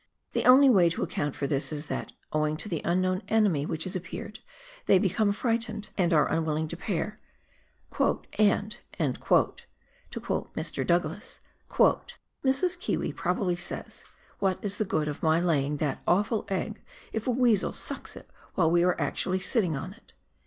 The only way to account for this is that, owing to the unknown enemy which has appeared, they become frightened, and are unwilling to pair, "and," to quote Douglas, " Mrs. Kiwi probably says :' "What is the good of my laying that awful egg if a weasel sucks it while we are actually sitting on it